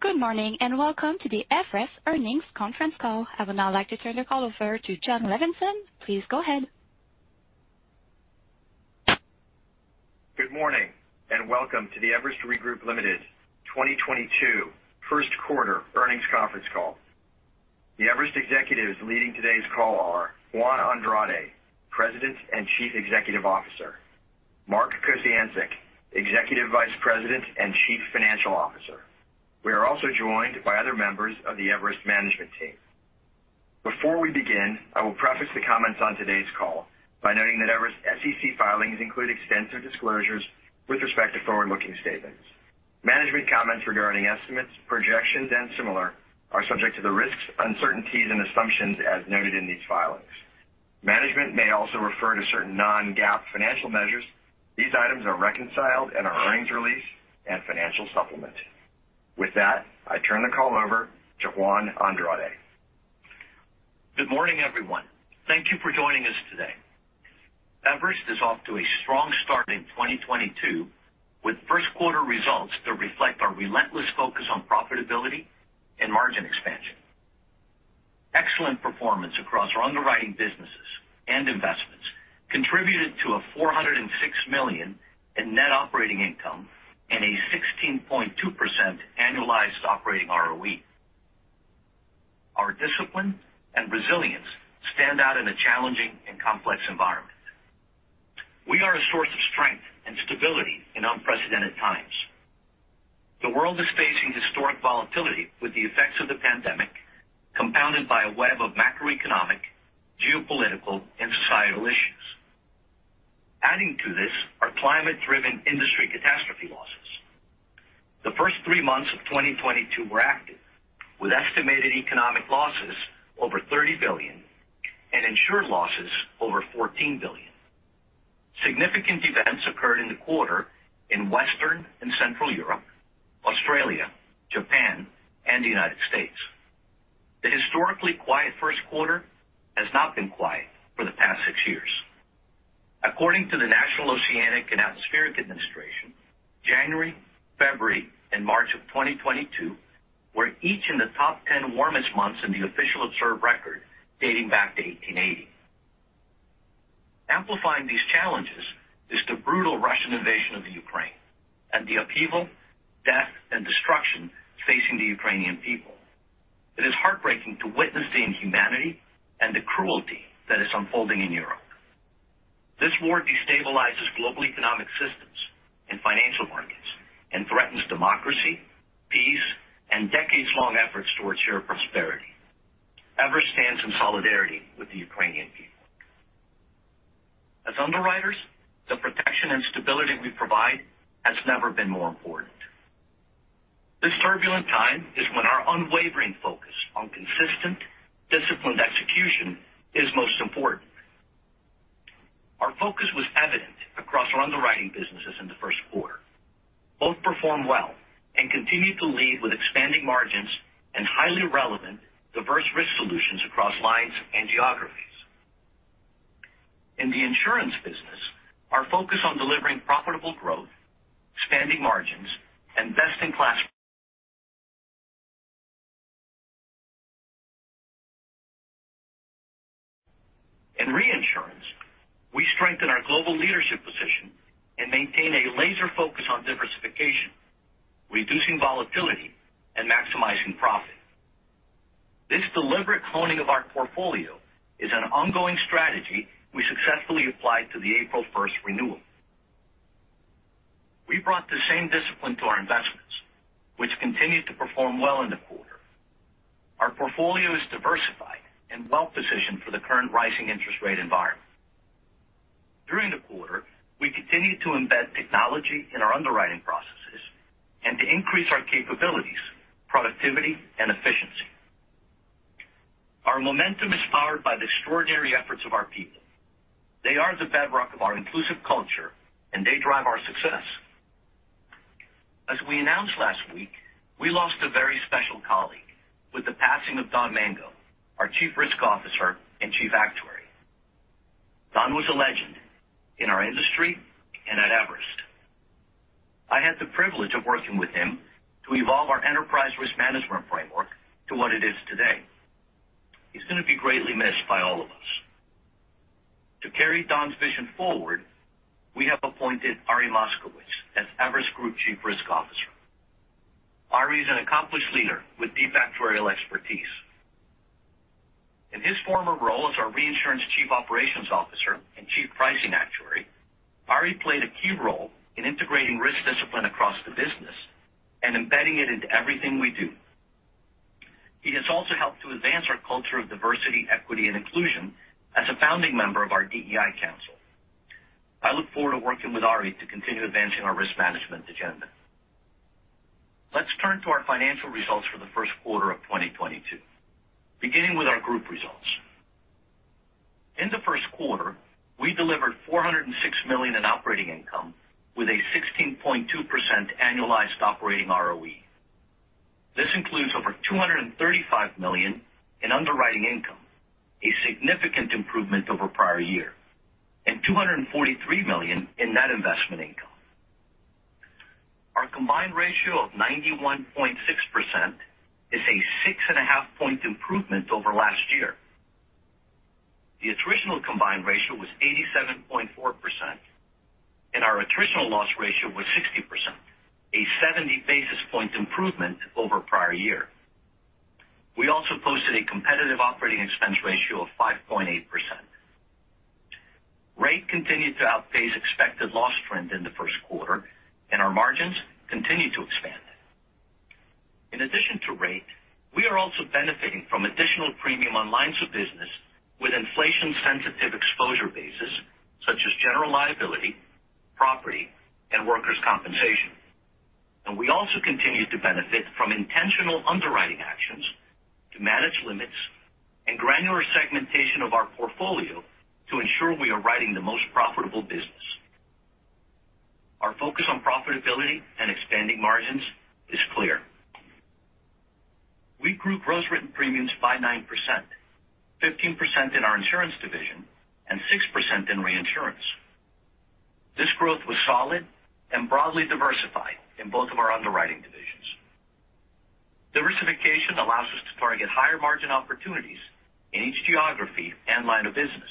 Good morning, and welcome to the Everest Earnings Conference Call. I would now like to turn the call over to Jon Levenson. Please go ahead. Good morning and welcome to the Everest Re Group, Ltd. 2022 first quarter earnings conference call. The Everest executives leading today's call are Juan Andrade, President and Chief Executive Officer, Mark Kociancic, Executive Vice President and Chief Financial Officer. We are also joined by other members of the Everest management team. Before we begin, I will preface the comments on today's call by noting that Everest SEC filings include extensive disclosures with respect to forward-looking statements. Management comments regarding estimates, projections, and similar are subject to the risks, uncertainties and assumptions as noted in these filings. Management may also refer to certain non-GAAP financial measures. These items are reconciled in our earnings release and financial supplement. With that, I turn the call over to Juan Andrade. Good morning, everyone. Thank you for joining us today. Everest is off to a strong start in 2022, with first quarter results that reflect our relentless focus on profitability and margin expansion. Excellent performance across our underwriting businesses and investments contributed to $406 million in net operating income and a 16.2% annualized operating ROE. Our discipline and resilience stand out in a challenging and complex environment. We are a source of strength and stability in unprecedented times. The world is facing historic volatility with the effects of the pandemic, compounded by a web of macroeconomic, geopolitical, and societal issues. Adding to this are climate-driven industry catastrophe losses. The first three months of 2022 were active, with estimated economic losses over $30 billion and insured losses over $14 billion. Significant events occurred in the quarter in Western and Central Europe, Australia, Japan, and the United States. The historically quiet first quarter has not been quiet for the past six years. According to the National Oceanic and Atmospheric Administration, January, February, and March of 2022 were each in the top 10 warmest months in the official observed record dating back to 1880. Amplifying these challenges is the brutal Russian invasion of the Ukraine and the upheaval, death, and destruction facing the Ukrainian people. It is heartbreaking to witness the inhumanity and the cruelty that is unfolding in Europe. This war destabilizes global economic systems and financial markets and threatens democracy, peace, and decades-long efforts towards shared prosperity. Everest stands in solidarity with the Ukrainian people. As underwriters, the protection and stability we provide has never been more important. This turbulent time is when our unwavering focus on consistent, disciplined execution is most important. Our focus was evident across our underwriting businesses in the first quarter. Both performed well and continued to lead with expanding margins and highly relevant, diverse risk solutions across lines and geographies. In the insurance business, our focus on delivering profitable growth, expanding margins, and best-in-class. In reinsurance, we strengthen our global leadership position and maintain a laser focus on diversification, reducing volatility, and maximizing profit. This deliberate honing of our portfolio is an ongoing strategy we successfully applied to the April 1st renewal. We brought the same discipline to our investments, which continued to perform well in the quarter. Our portfolio is diversified and well-positioned for the current rising interest rate environment. During the quarter, we continued to embed technology in our underwriting processes and to increase our capabilities, productivity, and efficiency. Our momentum is powered by the extraordinary efforts of our people. They are the bedrock of our inclusive culture, and they drive our success. As we announced last week, we lost a very special colleague with the passing of Don Mango, our Chief Risk Officer and Chief Actuary. Don was a legend in our industry and at Everest. I had the privilege of working with him to evolve our enterprise risk management framework to what it is today. He's going to be greatly missed by all of us. To carry Don's vision forward, we have appointed Ari Moskowitz as Everest Group Chief Risk Officer. Ari is an accomplished leader with deep actuarial expertise. In his former role as our reinsurance Chief Operations Officer and Chief Pricing Actuary, Ari played a key role in integrating risk discipline across the business and embedding it into everything we do. He has also helped to advance our culture of diversity, equity, and inclusion as a founding member of our DEI council. I look forward to working with Ari to continue advancing our risk management agenda. Let's turn to our financial results for the first quarter of 2022, beginning with our group results. In the first quarter, we delivered $406 million in operating income with a 16.2% annualized operating ROE. This includes over $235 million in underwriting income, a significant improvement over prior year. $243 million in net investment income. Our combined ratio of 91.6% is a 6.5-point improvement over last year. The attritional combined ratio was 87.4%, and our attritional loss ratio was 60%, a 70 basis point improvement over prior year. We also posted a competitive operating expense ratio of 5.8%. Rate continued to outpace expected loss trend in the first quarter, and our margins continued to expand. In addition to rate, we are also benefiting from additional premium on lines of business with inflation-sensitive exposure bases such as general liability, property, and workers' compensation. We also continue to benefit from intentional underwriting actions to manage limits and granular segmentation of our portfolio to ensure we are writing the most profitable business. Our focus on profitability and expanding margins is clear. We grew gross written premiums by 9%, 15% in our insurance division, and 6% in reinsurance. This growth was solid and broadly diversified in both of our underwriting divisions. Diversification allows us to target higher margin opportunities in each geography and line of business.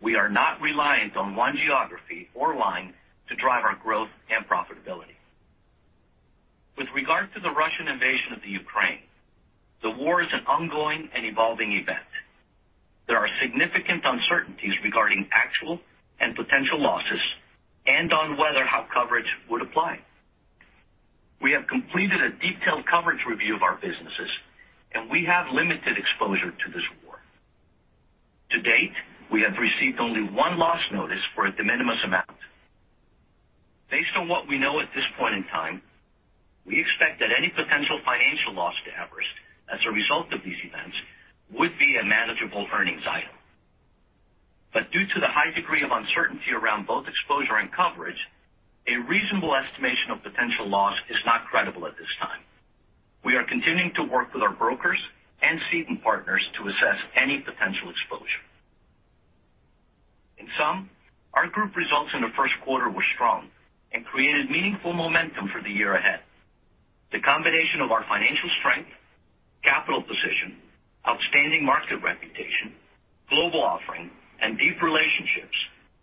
We are not reliant on one geography or line to drive our growth and profitability. With regard to the Russian invasion of Ukraine, the war is an ongoing and evolving event. There are significant uncertainties regarding actual and potential losses and on whether and how coverage would apply. We have completed a detailed coverage review of our businesses, and we have limited exposure to this war. To date, we have received only one loss notice for a de minimis amount. Based on what we know at this point in time, we expect that any potential financial loss to Everest as a result of these events would be a manageable earnings item. Due to the high degree of uncertainty around both exposure and coverage, a reasonable estimation of potential loss is not credible at this time. We are continuing to work with our brokers and ceding partners to assess any potential exposure. In sum, our group results in the first quarter were strong and created meaningful momentum for the year ahead. The combination of our financial strength, capital position, outstanding market reputation, global offering, and deep relationships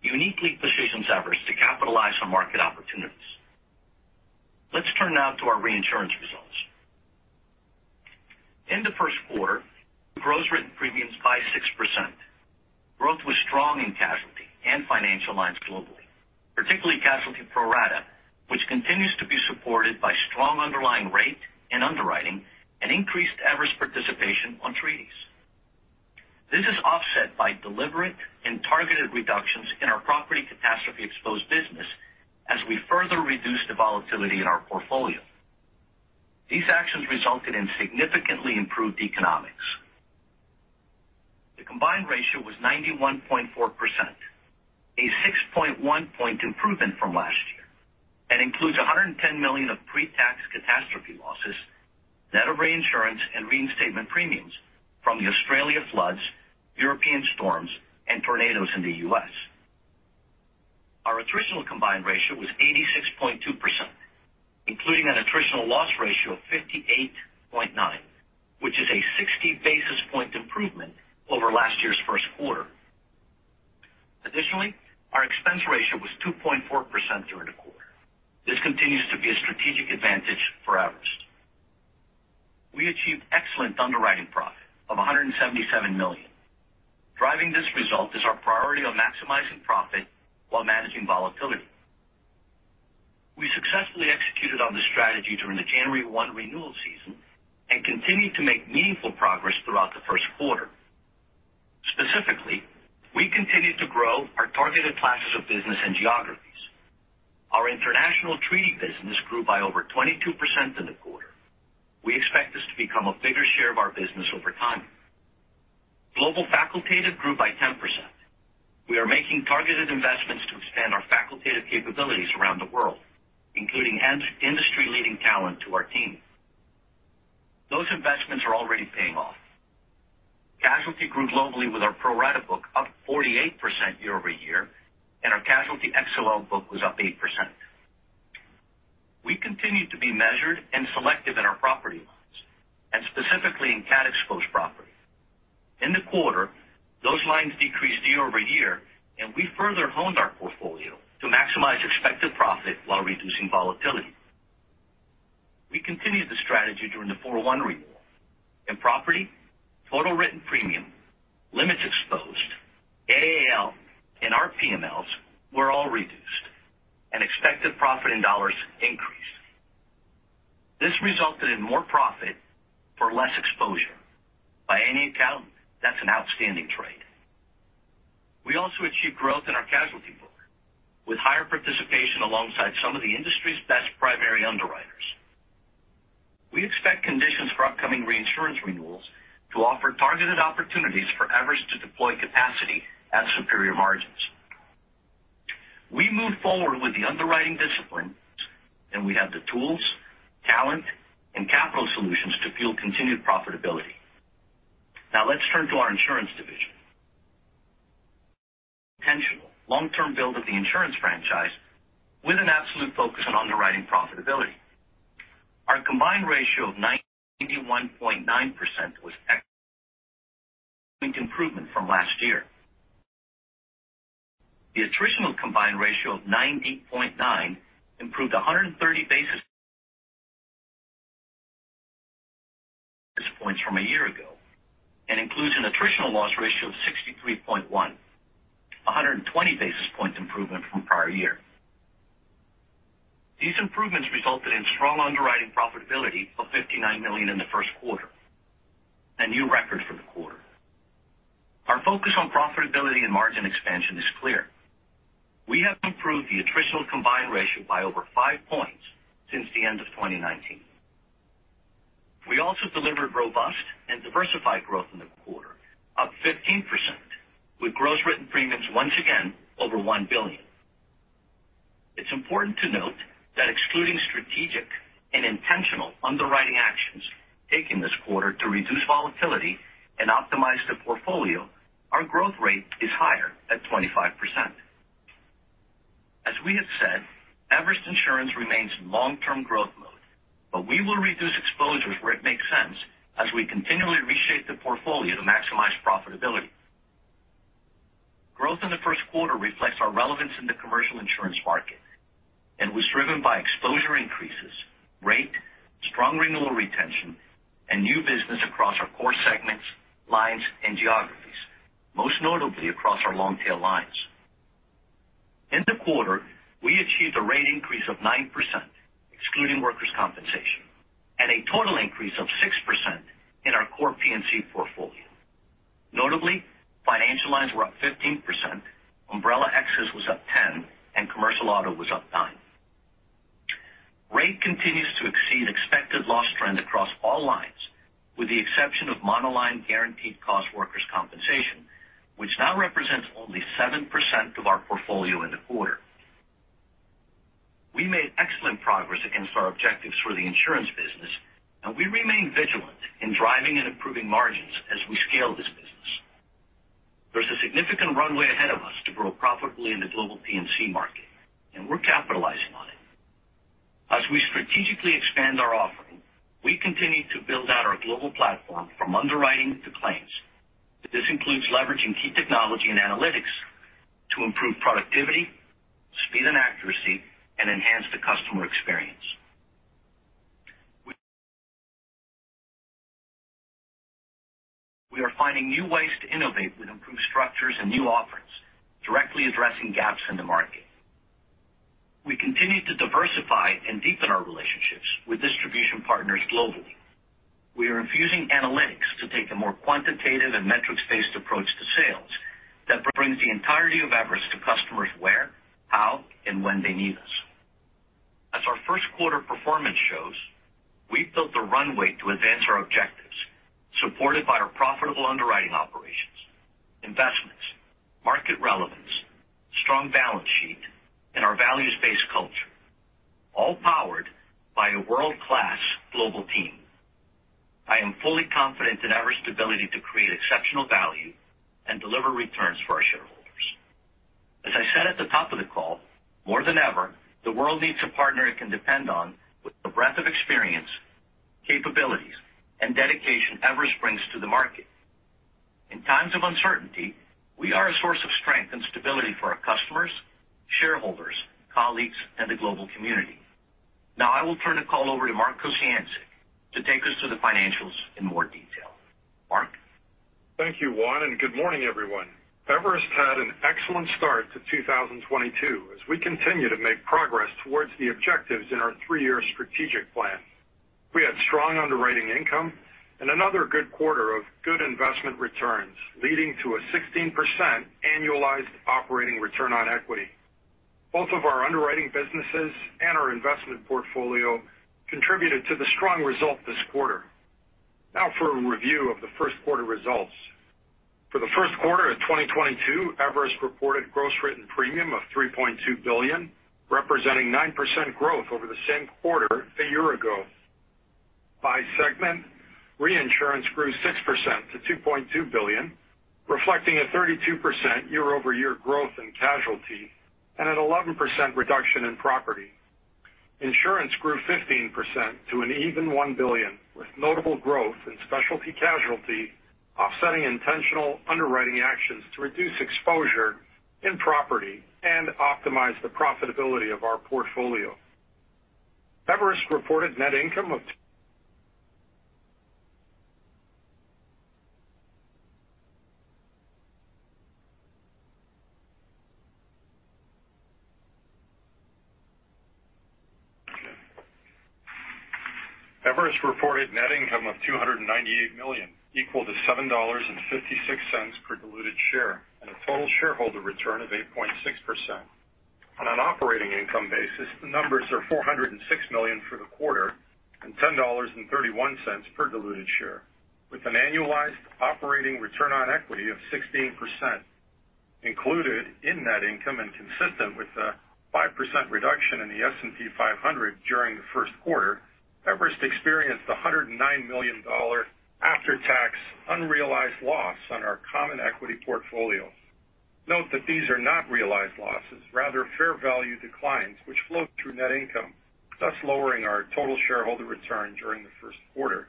uniquely positions Everest to capitalize on market opportunities. Let's turn now to our reinsurance results. In the first quarter, gross written premiums grew by 6%. Growth was strong in casualty and financial lines globally, particularly casualty pro rata, which continues to be supported by strong underlying rate and underwriting and increased Everest participation on treaties. This is offset by deliberate and targeted reductions in our property catastrophe-exposed business as we further reduce the volatility in our portfolio. These actions resulted in significantly improved economics. The combined ratio was 91.4%, a 6.1-point improvement from last year, and includes $110 million of pre-tax catastrophe losses, net of reinsurance and reinstatement premiums from the Australia floods, European storms, and tornadoes in the U.S.. Our attritional combined ratio was 86.2%, including an attritional loss ratio of 58.9%, which is a 60 basis point improvement over last year's first quarter. Additionally, our expense ratio was 2.4% during the quarter. This continues to be a strategic advantage for Everest. We achieved excellent underwriting profit of $177 million. Driving this result is our priority of maximizing profit while managing volatility. We successfully executed on this strategy during the January 1 renewal season and continued to make meaningful progress throughout the first quarter. Specifically, we continued to grow our targeted classes of business and geographies. Our international treaty business grew by over 22% in the quarter. We expect this to become a bigger share of our business over time. Global facultative grew by 10%. We are making targeted investments to expand our facultative capabilities around the world, including industry-leading talent to our team. Those investments are already paying off. Casualty grew globally with our pro rata book up 48% year-over-year, and our casualty XOL book was up 8%. We continue to be measured and selective in our property lines and specifically in cat exposed property. In the quarter, those lines decreased year-over-year, and we further honed our portfolio to maximize expected profit while reducing volatility. We continued the strategy during the Q1 renewal. In property, total written premium, limits exposed, AAL, and PMLs were all reduced, and expected profit in dollars increased. This resulted in more profit for less exposure. By any account, that's an outstanding trade. We also achieved growth in our casualty book with higher participation alongside some of the industry's best primary underwriters. We expect conditions for upcoming reinsurance renewals to offer targeted opportunities for Everest to deploy capacity at superior margins. We move forward with the underwriting disciplines, and we have the tools, talent, and capital solutions to fuel continued profitability. Now let's turn to our insurance division. Intentional long-term build of the insurance franchise with an absolute focus on underwriting profitability. Our combined ratio of 91.9% was excellent, improvement from last year. The attritional combined ratio of 98.9% improved 130 basis points from a year ago, and includes an attritional loss ratio of 63.1%, 120 basis points improvement from prior year. These improvements resulted in strong underwriting profitability of $59 million in the first quarter, a new record for the quarter. Our focus on profitability and margin expansion is clear. We have improved the attritional combined ratio by over 5 points since the end of 2019. We also delivered robust and diversified growth in the quarter, up 15%, with gross written premiums once again over $1 billion. It's important to note that excluding strategic and intentional underwriting actions taken this quarter to reduce volatility and optimize the portfolio, our growth rate is higher at 25%. As we have said, Everest Insurance remains in long-term growth mode, but we will reduce exposures where it makes sense as we continually reshape the portfolio to maximize profitability. Growth in the first quarter reflects our relevance in the commercial insurance market and was driven by exposure increases, rate, strong renewal retention, and new business across our core segments, lines, and geographies, most notably across our long-tail lines. In the quarter, we achieved a rate increase of 9%, excluding workers' compensation, and a total increase of 6% in our core P&C portfolio. Notably, financial lines were up 15%, umbrella excess was up 10%, and commercial auto was up 9%. Rate continues to exceed expected loss trend across all lines, with the exception of monoline guaranteed cost workers' compensation, which now represents only 7% of our portfolio in the quarter. We made excellent progress against our objectives for the insurance business, and we remain vigilant in driving and improving margins as we scale this business. There's a significant runway ahead of us to grow profitably in the global P&C market, and we're capitalizing on it. As we strategically expand our offering, we continue to build out our global platform from underwriting to claims. This includes leveraging key technology and analytics to improve productivity, speed, and accuracy, and enhance the customer experience. We are finding new ways to innovate with improved structures and new offerings, directly addressing gaps in the market. We continue to diversify and deepen our relationships with distribution partners globally. We are infusing analytics to take a more quantitative and metrics-based approach to sales that brings the entirety of Everest to customers where, how, and when they need us. As our first quarter performance shows, we've built the runway to advance our objectives, supported by our profitable underwriting operations, investments, market relevance, strong balance sheet, and our values-based culture, all powered by a world-class global team. I am fully confident in Everest's ability to create exceptional value and deliver returns for our shareholders. As I said at the top of the call, more than ever, the world needs a partner it can depend on with the breadth of experience, capabilities, and dedication Everest brings to the market. In times of uncertainty, we are a source of strength and stability for our customers, shareholders, colleagues, and the global community. Now I will turn the call over to Mark Kociancic to take us through the financials in more detail. Mark? Thank you, Juan, and good morning, everyone. Everest had an excellent start to 2022 as we continue to make progress towards the objectives in our three-year strategic plan. We had strong underwriting income and another good quarter of good investment returns, leading to a 16% annualized operating return on equity. Both of our underwriting businesses and our investment portfolio contributed to the strong result this quarter. Now for a review of the first quarter results. For the first quarter of 2022, Everest reported gross written premium of $3.2 billion, representing 9% growth over the same quarter a year ago. By segment, reinsurance grew 6% to $2.2 billion, reflecting a 32% year-over-year growth in casualty and an 11% reduction in property. Insurance grew 15% to an even $1 billion, with notable growth in specialty casualty, offsetting intentional underwriting actions to reduce exposure in property and optimize the profitability of our portfolio. Everest reported net income of $298 million, equal to $7.56 per diluted share, and a total shareholder return of 8.6%. On an operating income basis, the numbers are $406 million for the quarter and $10.31 per diluted share, with an annualized operating return on equity of 16%. Included in net income and consistent with the 5% reduction in the S&P 500 during the first quarter, Everest experienced a $109 million after-tax unrealized loss on our common equity portfolio. Note that these are not realized losses, rather fair value declines, which flow through net income, thus lowering our total shareholder return during the first quarter.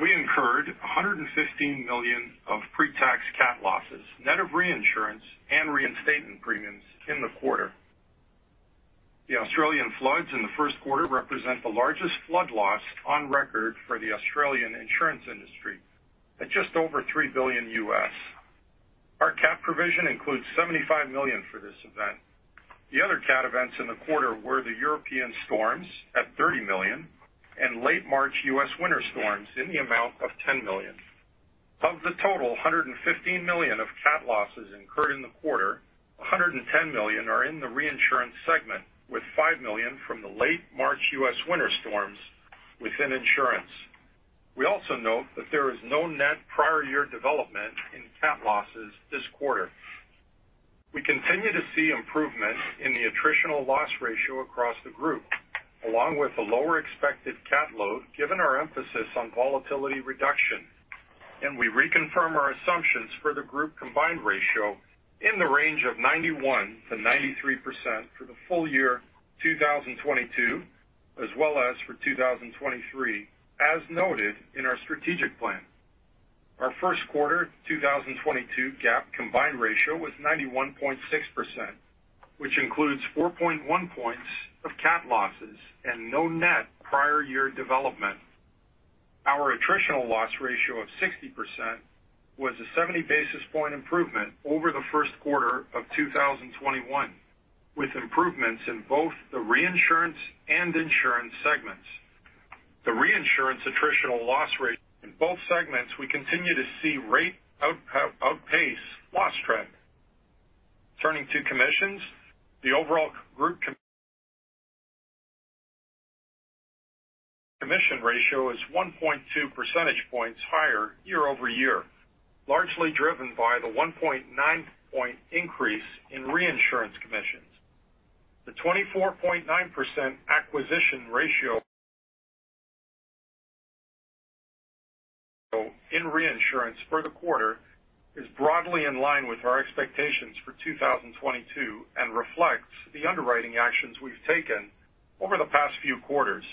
We incurred $115 million of pre-tax cat losses, net of reinsurance and reinstatement premiums in the quarter. The Australian floods in the first quarter represent the largest flood loss on record for the Australian insurance industry at just over $3 billion. Our cat provision includes $75 million for this event. The other cat events in the quarter were the European storms at $30 million and late March U.S. winter storms in the amount of $10 million. Of the total $115 million of cat losses incurred in the quarter, $110 million are in the reinsurance segment, with $5 million from the late March U.S. winter storms within insurance. We also note that there is no net prior year development in cat losses this quarter. We continue to see improvement in the attritional loss ratio across the group, along with a lower expected cat load, given our emphasis on volatility reduction, and we reconfirm our assumptions for the group combined ratio in the range of 91%-93% for the full year 2022 as well as for 2023, as noted in our strategic plan. Our first quarter 2022 GAAP combined ratio was 91.6%, which includes 4.1 points of cat losses and no net prior year development. Our attritional loss ratio of 60% was a 70 basis point improvement over the first quarter of 2021, with improvements in both the reinsurance and insurance segments. The reinsurance attritional loss ratio in both segments. We continue to see rates outpace loss trends. Turning to commissions, the overall group commission ratio is 1.2 percentage points higher year-over-year, largely driven by the 1.9-point increase in reinsurance commissions. The 24.9% acquisition ratio in reinsurance for the quarter is broadly in line with our expectations for 2022 and reflects the underwriting actions we've taken over the past few quarters,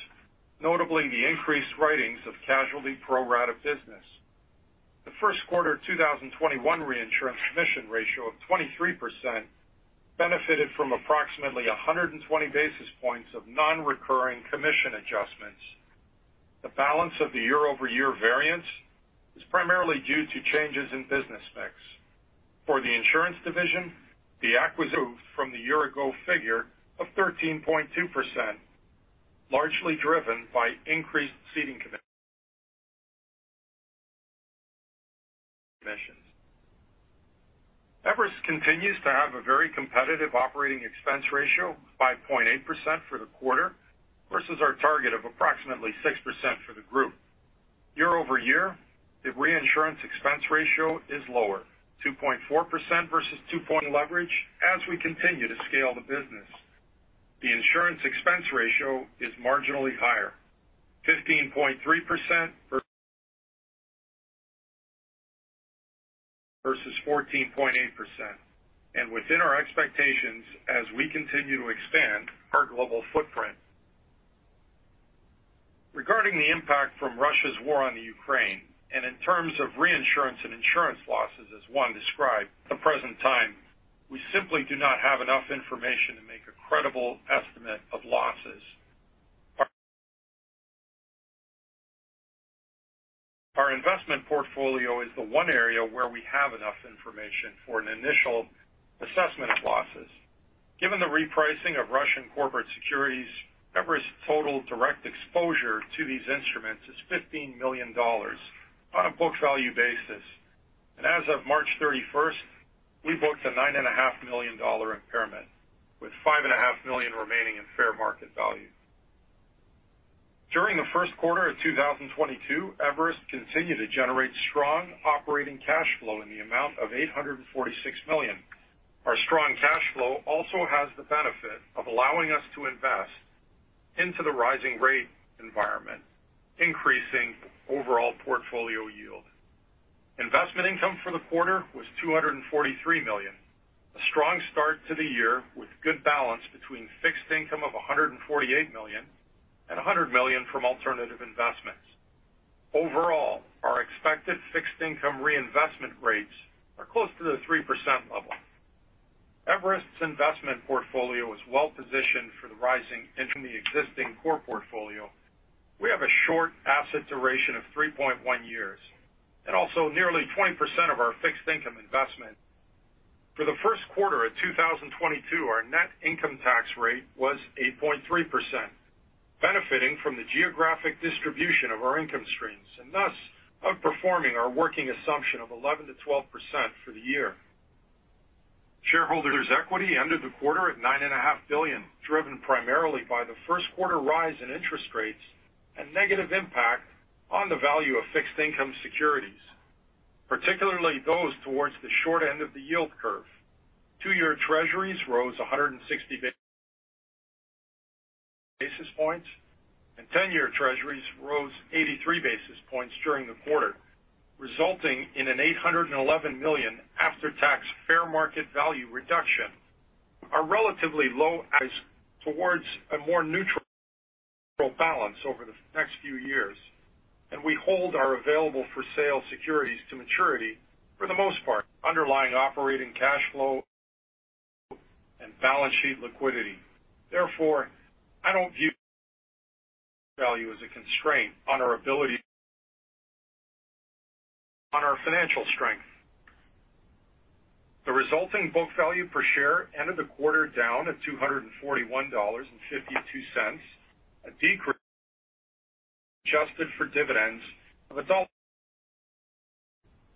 notably the increased writings of casualty pro rata business. The first quarter 2021 reinsurance commission ratio of 23% benefited from approximately 120 basis points of non-recurring commission adjustments. The balance of the year-over-year variance is primarily due to changes in business mix. For the insurance division, the acquisition ratio from the year-ago figure of 13.2%, largely driven by increased ceding commissions. Everest continues to have a very competitive operating expense ratio, 5.8% for the quarter versus our target of approximately 6% for the group. Year-over-year, the reinsurance expense ratio is lower, 2.4% versus 2.8% as we continue to scale the business. The insurance expense ratio is marginally higher, 15.3% versus 14.8%, and within our expectations as we continue to expand our global footprint. Regarding the impact from Russia's war on the Ukraine and in terms of reinsurance and insurance losses as Juan described, at the present time, we simply do not have enough information to make a credible estimate of losses. Our investment portfolio is the one area where we have enough information for an initial assessment of losses. Given the repricing of Russian corporate securities, Everest's total direct exposure to these instruments is $15 million on a book value basis. As of March 31st, we booked a $9.5 million impairment, with $5.5 million remaining in fair market value. During the first quarter of 2022, Everest continued to generate strong operating cash flow in the amount of $846 million. Our strong cash flow also has the benefit of allowing us to invest into the rising rate environment, increasing overall portfolio yield. Investment income for the quarter was $243 million, a strong start to the year with good balance between fixed income of $148 million and $100 million from alternative investments. Overall, our expected fixed income reinvestment rates are close to the 3% level. Everest's investment portfolio is well positioned for rising rates in the existing core portfolio. We have a short asset duration of 3.1 years and also nearly 20% of our fixed income investment. For the first quarter of 2022, our net income tax rate was 8.3%, benefiting from the geographic distribution of our income streams and thus outperforming our working assumption of 11%-12% for the year. Shareholders' equity ended the quarter at $9.5 billion, driven primarily by the first quarter rise in interest rates and negative impact on the value of fixed income securities, particularly those towards the short end of the yield curve. Two-year Treasuries rose 160 basis points, and ten-year Treasuries rose 83 basis points during the quarter, resulting in an $811 million after-tax fair market value reduction. Our relatively low price towards a more neutral balance over the next few years, and we hold our available for sale securities to maturity for the most part, underlying operating cash flow and balance sheet liquidity. Therefore, I don't view value as a constraint on our ability on our financial strength. The resulting book value per share ended the quarter down at $241.52, a decrease adjusted for dividends of adult.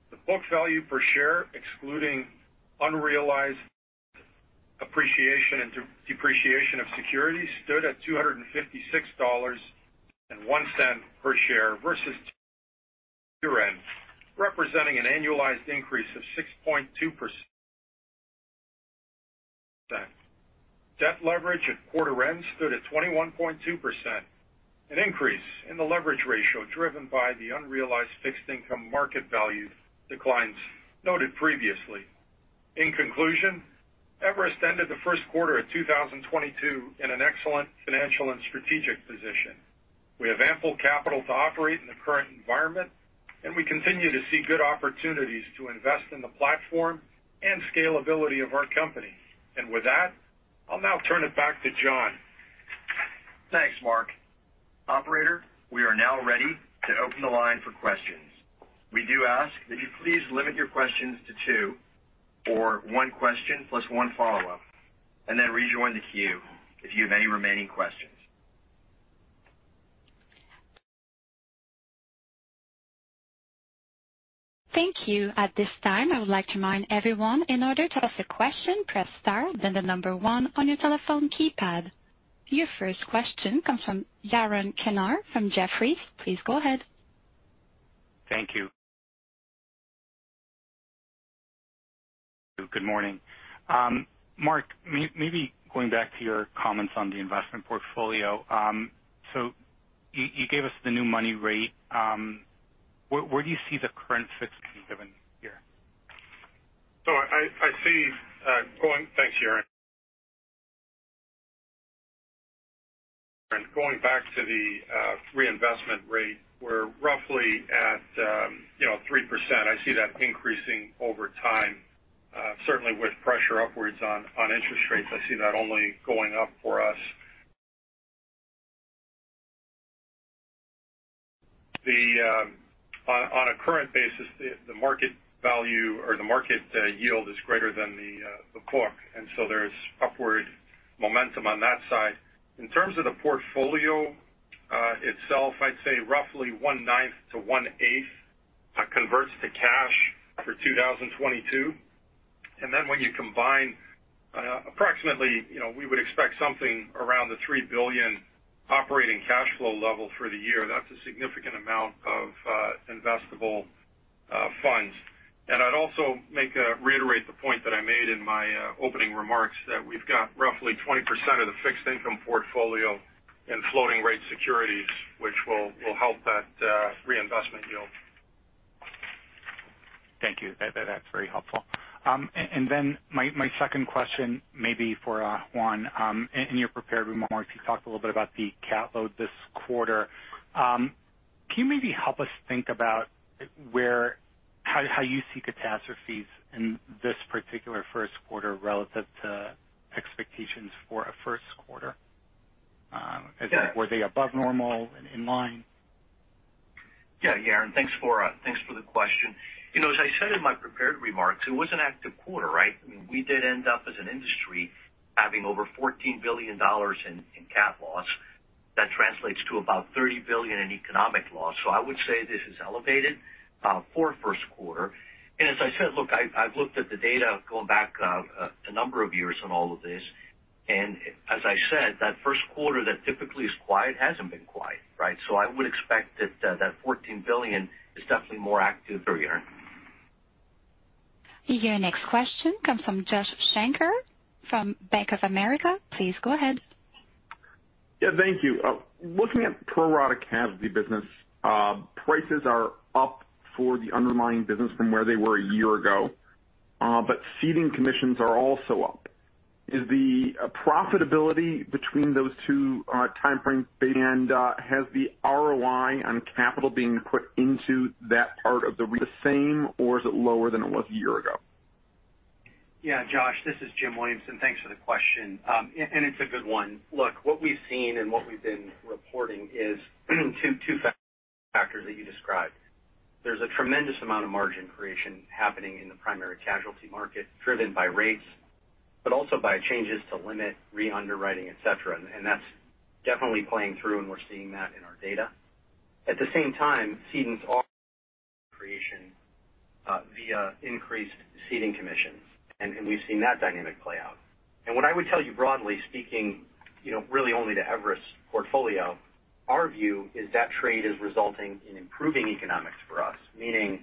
The book value per share, excluding unrealized appreciation and depreciation of securities, stood at $256.01 per share versus year-end, representing an annualized increase of 6.2%. Debt leverage at quarter end stood at 21.2%, an increase in the leverage ratio driven by the unrealized fixed income market value declines noted previously. In conclusion, Everest ended the first quarter of 2022 in an excellent financial and strategic position. We have ample capital to operate in the current environment, and we continue to see good opportunities to invest in the platform and scalability of our company. With that, I'll now turn it back to Jon. Thanks, Mark. Operator, we are now ready to open the line for questions. We do ask that you please limit your questions to two or one question plus one follow-up, and then rejoin the queue if you have any remaining questions. Thank you. At this time, I would like to remind everyone in order to ask a question, press star then the number one on your telephone keypad. Your first question comes from Yaron Kinar from Jefferies. Please go ahead. Thank you. Good morning. Mark, maybe going back to your comments on the investment portfolio. You gave us the new money rate. Where do you see the current fixed income given here? Thanks, Yaron. I see going back to the reinvestment rate, we're roughly at, you know, 3%. I see that increasing over time, certainly with pressure upwards on interest rates. I see that only going up for us. On a current basis, the market value or the market yield is greater than the book. There's upward momentum on that side. In terms of the portfolio itself, I'd say roughly one-ninth to one-eighth converts to cash for 2022. When you combine approximately, you know, we would expect something around the $3 billion operating cash flow level for the year. That's a significant amount of investable funds. I'd also reiterate the point that I made in my opening remarks that we've got roughly 20% of the fixed income portfolio in floating rate securities, which will help that reinvestment yield. Thank you. That's very helpful. My second question maybe for Juan, in your prepared remarks, you talked a little bit about the cat load this quarter. Can you maybe help us think about how you see catastrophes in this particular first quarter relative to expectations for a first quarter? Were they above normal, in line? Yeah, Yaron, thanks for the question. You know, as I said in my prepared remarks, it was an active quarter, right? I mean, we did end up as an industry having over $14 billion in cat loss. That translates to about $30 billion in economic loss. I would say this is elevated for first quarter. As I said, look, I've looked at the data going back a number of years on all of this. As I said, that first quarter that typically is quiet hasn't been quiet, right? I would expect that $14 billion is definitely more active for Yaron. Your next question comes from Josh Shanker from Bank of America. Please go ahead. Yeah. Thank you. Looking at pro rata casualty business, prices are up for the underlying business from where they were a year ago, but ceding commissions are also up. Is the profitability between those two time frames and has the ROI on capital being put into that part of the same or is it lower than it was a year ago? Yeah. Josh, this is Jim Williamson. Thanks for the question. It's a good one. Look, what we've seen and what we've been reporting is two factors that you described. There's a tremendous amount of margin creation happening in the primary casualty market, driven by rates, but also by changes to limit re-underwriting, et cetera. That's definitely playing through, and we're seeing that in our data. At the same time, cedents creation via increased ceding commissions. We've seen that dynamic play out. What I would tell you broadly speaking, you know, really only to Everest portfolio, our view is that trade is resulting in improving economics for us, meaning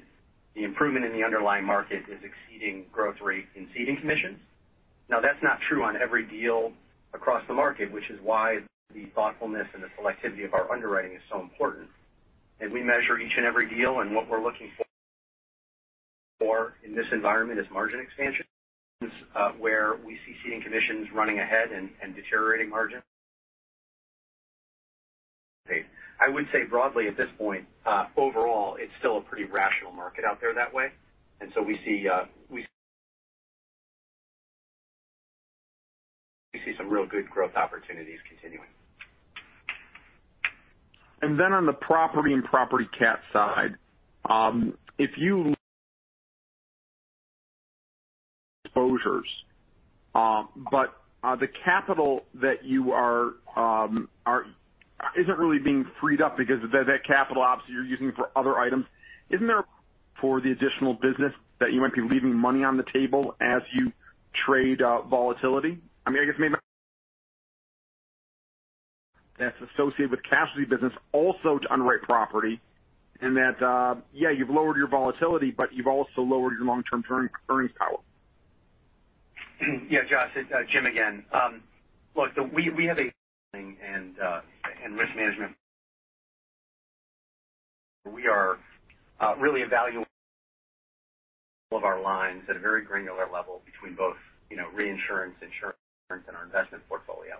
the improvement in the underlying market is exceeding growth rate in ceding commissions. Now, that's not true on every deal across the market, which is why the thoughtfulness and the selectivity of our underwriting is so important. We measure each and every deal, and what we're looking for in this environment is margin expansions, where we see ceding commissions running ahead and deteriorating margins. I would say broadly at this point, overall, it's still a pretty rational market out there that way. We see some real good growth opportunities continuing. On the property and property cat side, your exposures, but the capital that you are isn't really being freed up because that capital obviously you're using for other items. Isn't there for the additional business that you might be leaving money on the table as you trade volatility? I mean, I guess maybe that's associated with casualty business also to underwrite property and that, yeah, you've lowered your volatility, but you've also lowered your long-term earnings power. Yeah, Josh, Jim again. Look, we have underwriting and risk management. We are really evaluating all of our lines at a very granular level between both, you know, reinsurance, insurance, and our investment portfolio.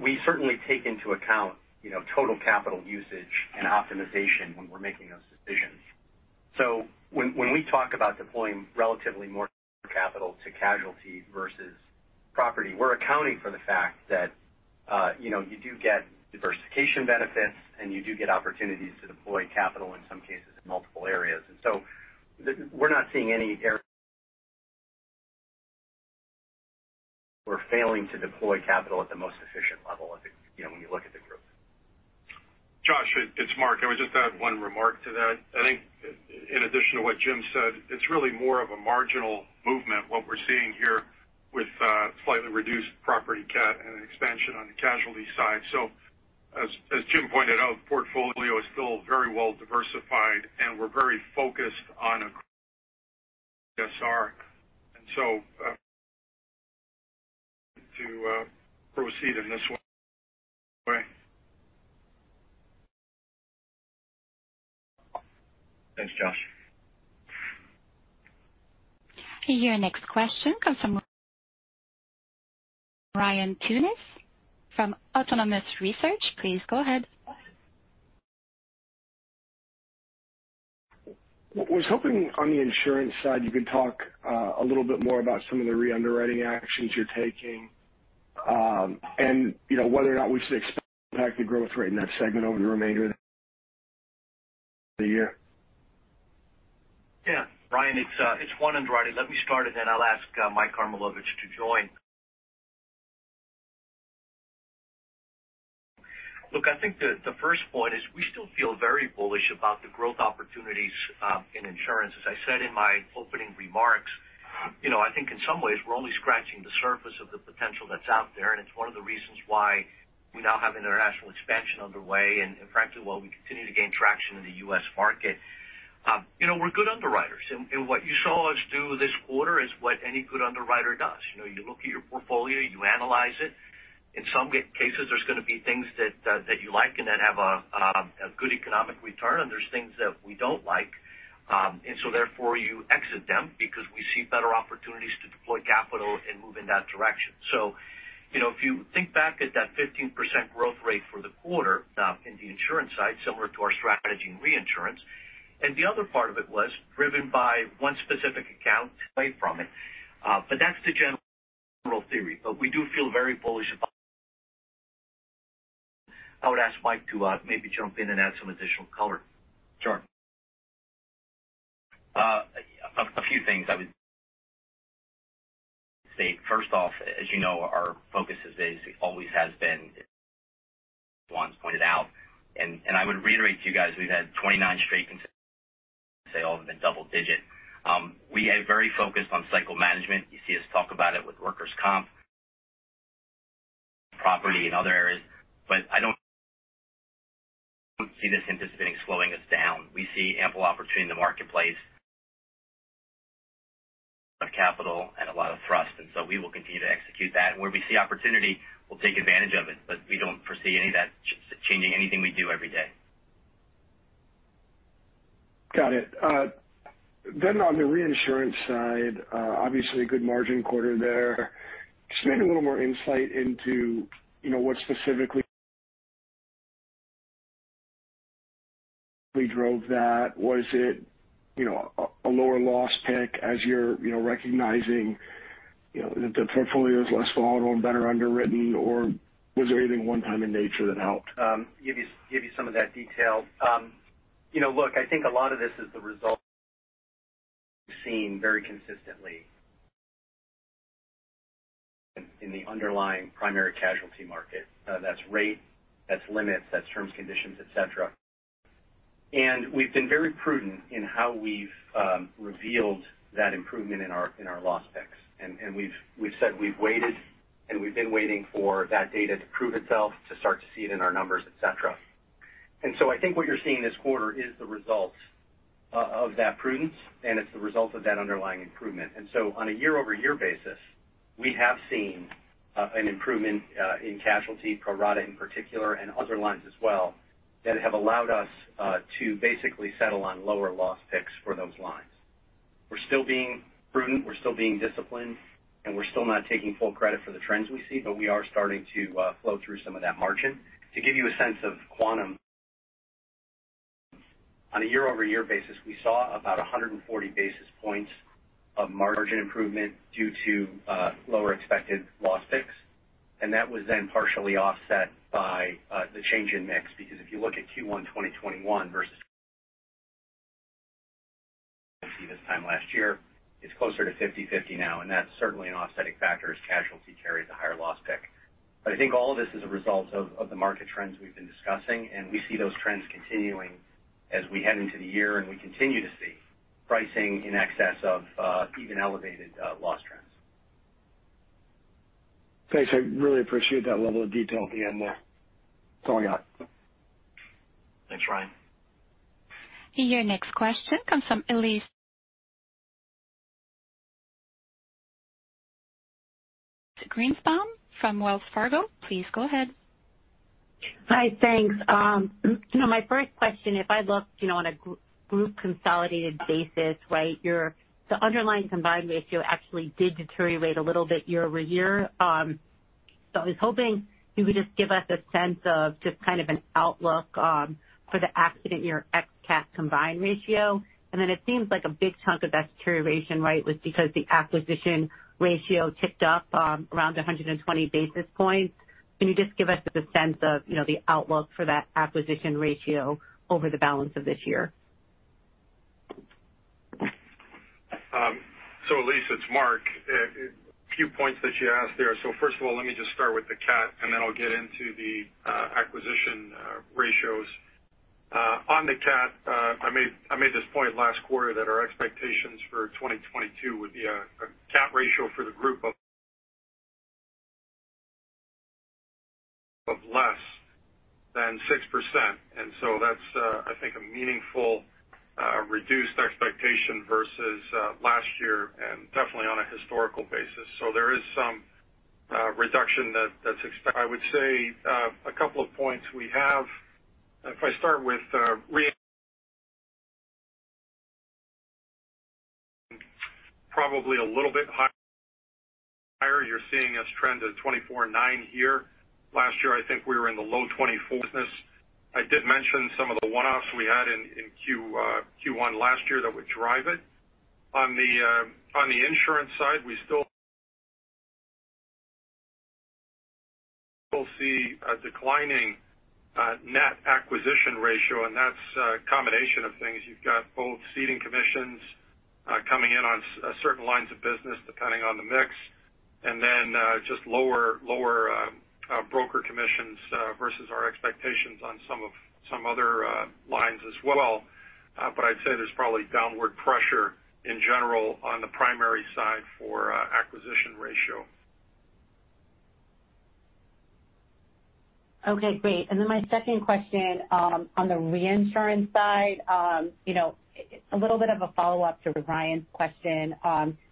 We certainly take into account, you know, total capital usage and optimization when we're making those decisions. When we talk about deploying relatively more capital to casualty versus property, we're accounting for the fact that, you know, you do get diversification benefits, and you do get opportunities to deploy capital, in some cases, in multiple areas. We're not seeing any area we're failing to deploy capital at the most efficient level of it, you know, when you look at the group. Josh, it's Mark. I would just add one remark to that. I think in addition to what Jim said, it's really more of a marginal movement, what we're seeing here with slightly reduced property cat and an expansion on the casualty side. As Jim pointed out, the portfolio is still very well diversified, and we're very focused on a ROE to proceed in this way. Thanks, Josh. Your next question comes from Ryan Tunis from Autonomous Research. Please go ahead. I was hoping on the insurance side, you could talk a little bit more about some of the re-underwriting actions you're taking, and, you know, whether or not we should expect the growth rate in that segment over the remainder of the year. Yeah. Ryan, it's Juan Andrade. Let me start, and then I'll ask Mike Karmilowicz to join. Look, I think the first point is we still feel very bullish about the growth opportunities in insurance. As I said in my opening remarks, you know, I think in some ways we're only scratching the surface of the potential that's out there. It's one of the reasons why we now have international expansion underway and frankly, while we continue to gain traction in the U.S. market. You know, we're good underwriters. What you saw us do this quarter is what any good underwriter does. You know, you look at your portfolio, you analyze it. In some cases, there's gonna be things that you like and that have a good economic return, and there's things that we don't like. Therefore you exit them because we see better opportunities to deploy capital and move in that direction. You know, if you think back to that 15% growth rate for the quarter, in the insurance side, similar to our strategy in reinsurance, and the other part of it was driven by one specific account away from it. That's the general theory. We do feel very bullish about it. I would ask Mike to maybe jump in and add some additional color. Sure. A few things I would say. First off, as you know, our focus is always has been Juan's pointed out, and I would reiterate to you guys, we've had 29% straight say all of them double-digit. We are very focused on cycle management. You see us talk about it with workers' comp, property and other areas. I don't see this anticipating slowing us down. We see ample opportunity in the marketplace of capital and a lot of thrust, and so we will continue to execute that. Where we see opportunity, we'll take advantage of it, but we don't foresee any of that changing anything we do every day. Got it. Then on the reinsurance side, obviously a good margin quarter there. Just maybe a little more insight into, you know, what specifically drove that. Was it, you know, a lower loss pick as you're, you know, recognizing, you know, the portfolio is less vulnerable and better underwritten, or was there anything one-time in nature that helped? Give you some of that detail. You know, look, I think a lot of this is the result seen very consistently. In the underlying primary casualty market. That's rate, that's limits, that's terms, conditions, et cetera. We've been very prudent in how we've revealed that improvement in our loss picks. We've said we've waited, and we've been waiting for that data to prove itself, to start to see it in our numbers, et cetera. I think what you're seeing this quarter is the result of that prudence, and it's the result of that underlying improvement. On a year-over-year basis, we have seen an improvement in casualty pro rata in particular and other lines as well, that have allowed us to basically settle on lower loss picks for those lines. We're still being prudent, we're still being disciplined, and we're still not taking full credit for the trends we see, but we are starting to flow through some of that margin. To give you a sense of quantum, on a year-over-year basis, we saw about 140 basis points of margin improvement due to lower expected loss picks, and that was then partially offset by the change in mix. Because if you look at Q1 2021 versus this time last year, it's closer to 50/50 now, and that's certainly an offsetting factor as casualty carries a higher loss pick. I think all of this is a result of the market trends we've been discussing, and we see those trends continuing as we head into the year, and we continue to see pricing in excess of even elevated loss trends. Thanks. I really appreciate that level of detail at the end there. That's all I got. Thanks, Ryan. Your next question comes from Elyse Greenspan from Wells Fargo. Please go ahead. Hi. Thanks. You know, my first question, if I looked, you know, on a group consolidated basis, right, the underlying combined ratio actually did deteriorate a little bit year-over-year. I was hoping you could just give us a sense of just kind of an outlook for the accident year ex cat combined ratio. It seems like a big chunk of that deterioration, right, was because the acquisition ratio ticked up around 120 basis points. Can you just give us a sense of, you know, the outlook for that acquisition ratio over the balance of this year? Elyse, it's Mark. A few points that you asked there. First of all, let me just start with the cat, and then I'll get into the acquisition ratios. On the cat, I made this point last quarter that our expectations for 2022 would be a cat ratio for the group of less than 6%. That's, I think, a meaningful reduced expectation versus last year and definitely on a historical basis. There is some reduction that's expected. I would say a couple of points we have. If I start with, probably a little bit higher. You're seeing us trend at 24.9% here. Last year, I think we were in the low 24s. I did mention some of the one-offs we had in Q1 last year that would drive it. On the insurance side, we still see a declining net acquisition ratio, and that's a combination of things. You've got both ceding commissions coming in on certain lines of business, depending on the mix, and then just lower broker commissions versus our expectations on some other lines as well. I'd say there's probably downward pressure in general on the primary side for acquisition ratio. Okay, great. My second question, on the reinsurance side, you know, a little bit of a follow-up to Ryan's question.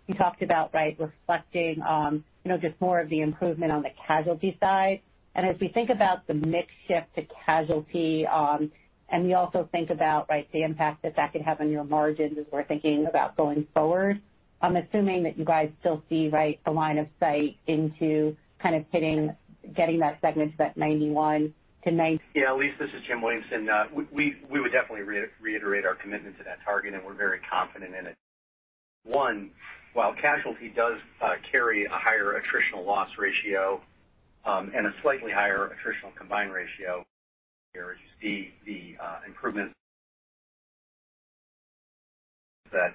You talked about, right, reflecting, you know, just more of the improvement on the casualty side. As we think about the mix shift to casualty, and we also think about, right, the impact that that could have on your margins as we're thinking about going forward, I'm assuming that you guys still see, right, a line of sight into kind of getting that segment to that 91%-9- Yeah. Elyse, this is Jim Williamson. We would definitely reiterate our commitment to that target, and we're very confident in it. One, while casualty does carry a higher attritional loss ratio, and a slightly higher attritional combined ratio, you see the improvement that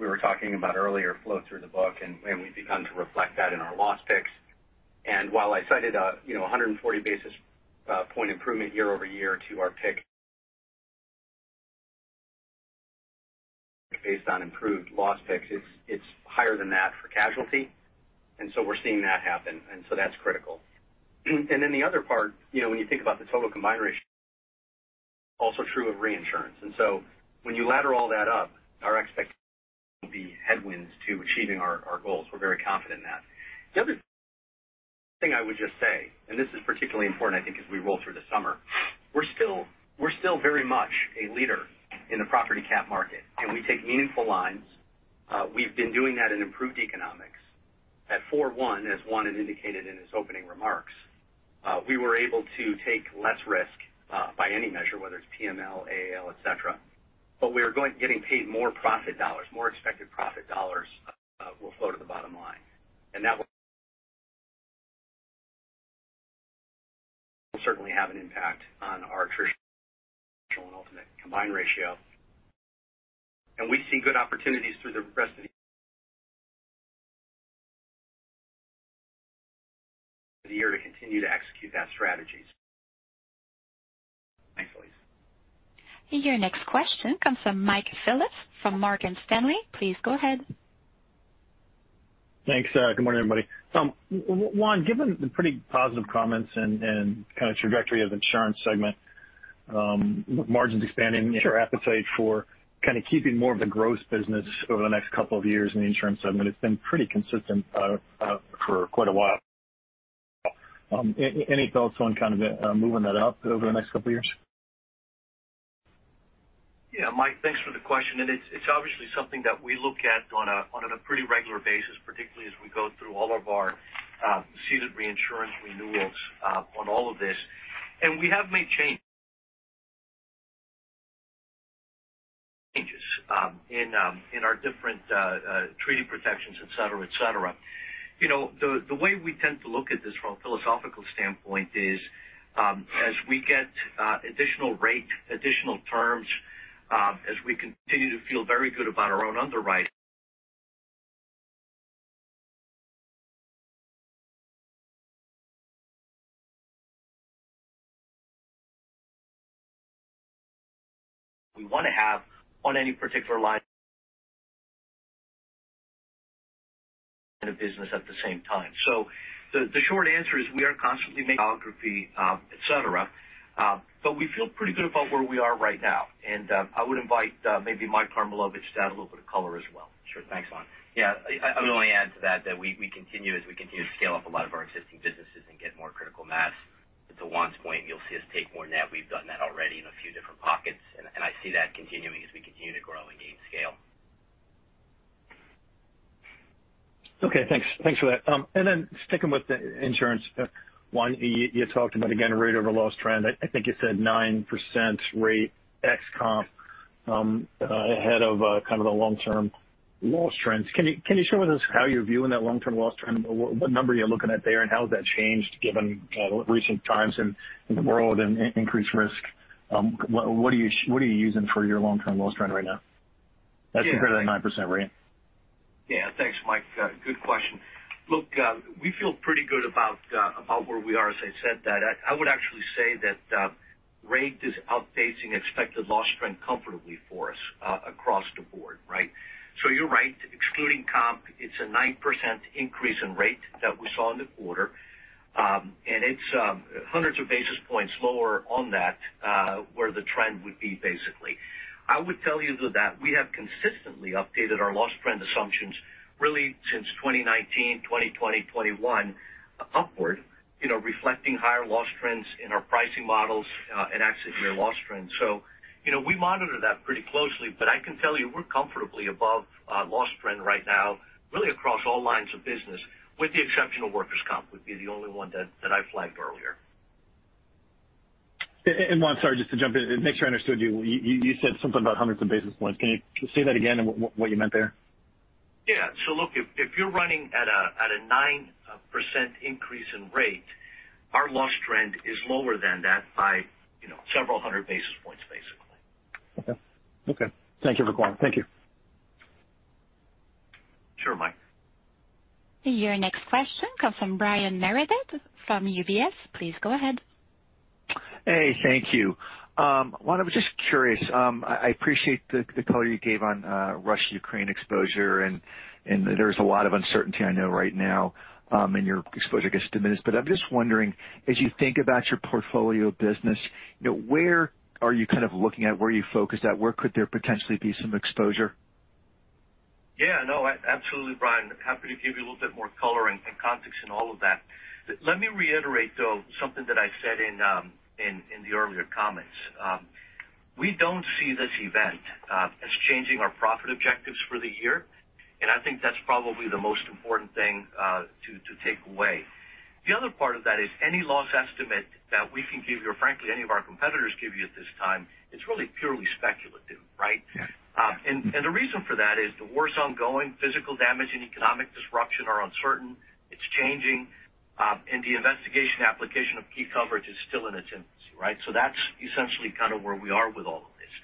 we were talking about earlier flow through the book, and we've begun to reflect that in our loss picks. While I cited, you know, 140 basis point improvement year-over-year to our pick based on improved loss picks, it's higher than that for casualty. We're seeing that happen. That's critical. Then the other part, you know, when you think about the total combined ratio, also true of reinsurance. When you ladder all that up, our expectations will be headwinds to achieving our goals. We're very confident in that. The other thing I would just say, and this is particularly important I think as we roll through the summer, we're still very much a leader in the property cat market, and we take meaningful lines. We've been doing that in improved economics. In Q1, as Juan had indicated in his opening remarks, we were able to take less risk by any measure, whether it's PML, AAL, et cetera. But we are getting paid more profit dollars, more expected profit dollars will flow to the bottom line. That will certainly have an impact on our traditional and ultimate combined ratio. We see good opportunities through the rest of the year to continue to execute that strategy. Thanks, Elyse. Your next question comes from Mike Phillips from Morgan Stanley. Please go ahead. Thanks. Good morning, everybody. Juan, given the pretty positive comments and kind of trajectory of insurance segment, margins expanding your appetite for kind of keeping more of the gross business over the next couple of years in the insurance segment, it's been pretty consistent for quite a while. Any thoughts on kind of moving that out over the next couple of years? Yeah, Mike, thanks for the question, and it's obviously something that we look at on a pretty regular basis, particularly as we go through all of our ceded reinsurance renewals on all of this. We have made changes in our different treaty protections, et cetera, et cetera. You know, the way we tend to look at this from a philosophical standpoint is as we get additional rate, additional terms, as we continue to feel very good about our own underwriting. We want to have on any particular line of business at the same time. The short answer is we are constantly making geography, et cetera. We feel pretty good about where we are right now. I would invite maybe Mike Karmilowicz to add a little bit of color as well. Sure. Thanks, Juan. Yeah, I would only add to that we continue to scale up a lot of our existing businesses and get more critical mass. To Juan's point, you'll see us take more net. We've done that already in a few different pockets, and I see that continuing as we continue to grow and gain scale. Okay, thanks. Thanks for that. Sticking with the insurance, Juan, you talked about, again, rate over loss trend. I think you said 9% rate ex-comp, ahead of kind of the long-term loss trends. Can you share with us how you're viewing that long-term loss trend? What number you're looking at there, and how has that changed given recent times in the world and increased risk? What are you using for your long-term loss trend right now as compared to that 9% rate? Yeah. Thanks, Mike. Good question. Look, we feel pretty good about about where we are. As I said that I would actually say that, rate is outpacing expected loss trend comfortably for us, across the board, right? You're right, excluding comp, it's a 9% increase in rate that we saw in the quarter, and it's hundreds of basis points lower on that, where the trend would be, basically. I would tell you, though, that we have consistently updated our loss trend assumptions really since 2019, 2020, 2021 upward, you know, reflecting higher loss trends in our pricing models, and accident year loss trends. You know, we monitor that pretty closely. I can tell you we're comfortably above loss trend right now, really across all lines of business, with the exception of workers' comp would be the only one that I flagged earlier. Juan, sorry, just to jump in, make sure I understood you. You said something about hundreds of basis points. Can you say that again and what you meant there? Look, if you're running at a 9% increase in rate, our loss trend is lower than that by, you know, several hundred basis points, basically. Okay. Thank you, Juan. Thank you. Sure, Mike. Your next question comes from Brian Meredith from UBS. Please go ahead. Hey, thank you. Juan, I was just curious. I appreciate the color you gave on Russia-Ukraine exposure, and there's a lot of uncertainty I know right now, and your exposure gets diminished. I'm just wondering, as you think about your portfolio of business, you know, where are you kind of looking at? Where are you focused at? Where could there potentially be some exposure? Yeah. No, absolutely, Brian. Happy to give you a little bit more color and context in all of that. Let me reiterate, though, something that I said in the earlier comments. We don't see this event as changing our profit objectives for the year, and I think that's probably the most important thing to take away. The other part of that is any loss estimate that we can give you or frankly, any of our competitors give you at this time, it's really purely speculative, right? Yeah. The reason for that is the war's ongoing. Physical damage and economic disruption are uncertain. It's changing. The interpretation and application of key coverage is still in its infancy, right? That's essentially kind of where we are with all of this.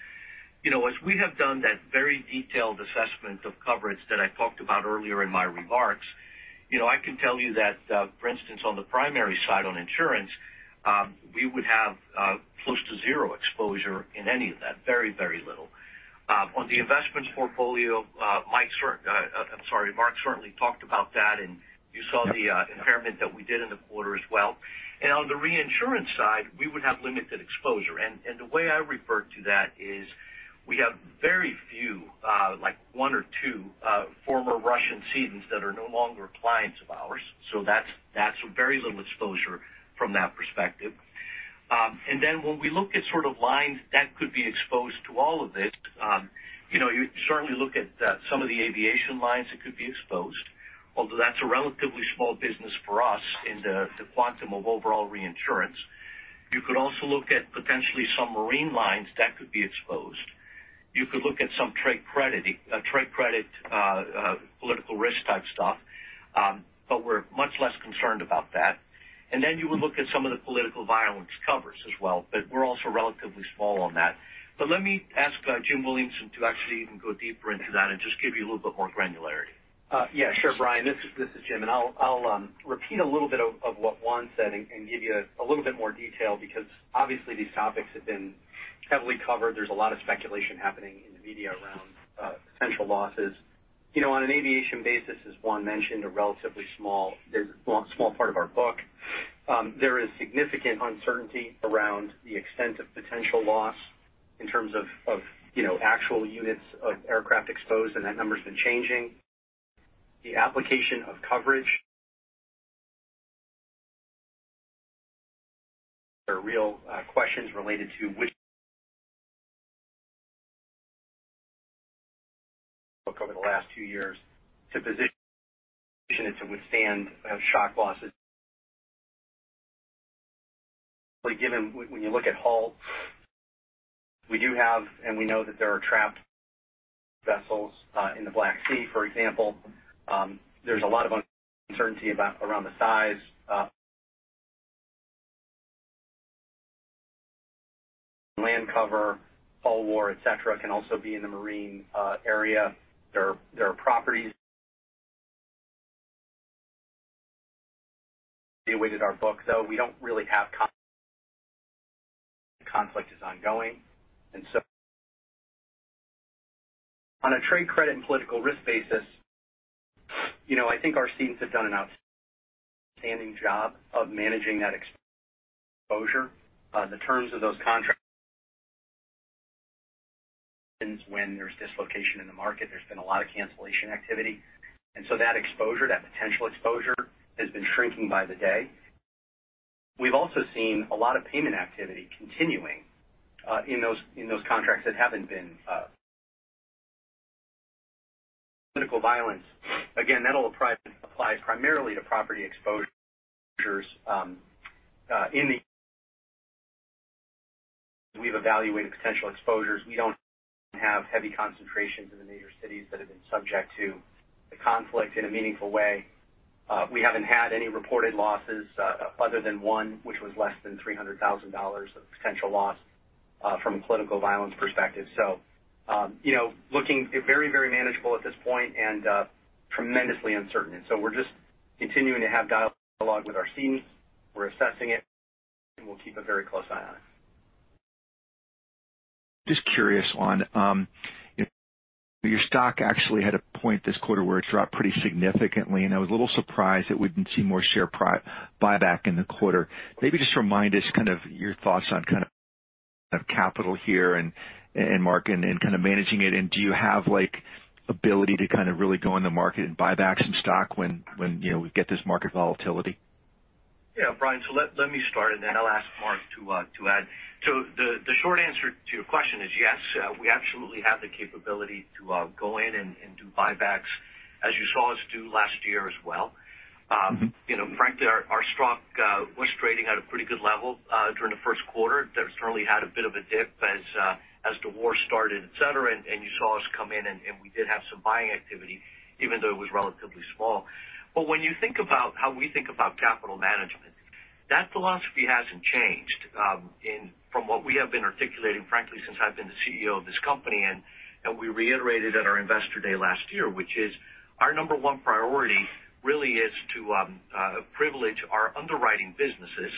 You know, as we have done that very detailed assessment of coverage that I talked about earlier in my remarks, you know, I can tell you that, for instance, on the primary side, on insurance, we would have close to zero exposure in any of that. Very, very little. On the investments portfolio, Mike cert-- I'm sorry, Mark certainly talked about that, and you saw the impairment that we did in the quarter as well. On the reinsurance side, we would have limited exposure. The way I refer to that is we have very few, like one or two, former Russian cedents that are no longer clients of ours. So that's very little exposure from that perspective. Then when we look at sort of lines that could be exposed to all of this, you know, you certainly look at some of the aviation lines that could be exposed, although that's a relatively small business for us in the quantum of overall reinsurance. You could also look at potentially some marine lines that could be exposed. You could look at some trade credit, political risk type stuff, but we're much less concerned about that. Then you would look at some of the political violence covers as well, but we're also relatively small on that. Let me ask, Jim Williamson to actually even go deeper into that and just give you a little bit more granularity. Yeah, sure, Brian. This is Jim, and I'll repeat a little bit of what Juan said and give you a little bit more detail because obviously these topics have been heavily covered. There's a lot of speculation happening in the media around potential losses. You know, on an aviation basis, as Juan mentioned, it's a relatively small part of our book. There is significant uncertainty around the extent of potential loss in terms of you know, actual units of aircraft exposed, and that number's been changing. The application of coverage there are real questions related to how we've positioned it over the last two years to withstand shock losses. Given that, when you look at hull, we do have, and we know that there are trapped vessels in the Black Sea, for example. There's a lot of uncertainty around the size. Land cover, hull war, et cetera, can also be in the marine area. There are properties on our book, though the conflict is ongoing. On a trade credit and political risk basis, you know, I think our teams have done an outstanding job of managing that exposure. The terms of those contracts when there's dislocation in the market, there's been a lot of cancellation activity. That exposure, that potential exposure has been shrinking by the day. We've also seen a lot of payment activity continuing in those contracts that haven't been. Political violence, again, that'll apply primarily to property exposures, and we've evaluated potential exposures. We don't have heavy concentrations in the major cities that have been subject to the conflict in a meaningful way. We haven't had any reported losses, other than one which was less than $300,000 of potential loss, from a political violence perspective. You know, looking very, very manageable at this point and tremendously uncertain. We're just continuing to have dialogue with our cedents. We're assessing it, and we'll keep a very close eye on it. Just curious, Juan, your stock actually had a point this quarter where it dropped pretty significantly, and I was a little surprised that we didn't see more share buyback in the quarter. Maybe just remind us kind of your thoughts on kind of capital here and Mark and kind of managing it. Do you have, like, ability to kind of really go in the market and buy back some stock when you know, we get this market volatility? Yeah, Brian, let me start, and then I'll ask Mark to add. The short answer to your question is yes, we absolutely have the capability to go in and do buybacks as you saw us do last year as well. You know, frankly, our stock was trading at a pretty good level during the first quarter. That certainly had a bit of a dip as the war started, et cetera. You saw us come in and we did have some buying activity even though it was relatively small. When you think about how we think about capital management, that philosophy hasn't changed, and from what we have been articulating, frankly, since I've been the CEO of this company and we reiterated at our investor day last year, which is our number one priority really is to privilege our underwriting businesses